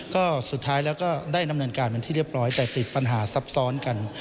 ก็สุดท้ายแล้วก็ได้ดำเนินการเป็นที่เรียบร้อยแต่ติดปัญหาซับซ้อนกัน